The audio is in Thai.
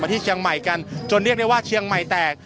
ที่เชียงใหม่กันจนเรียกได้ว่าเชียงใหม่แตก